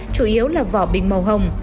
chủ yếu là vỏ bình màu hồng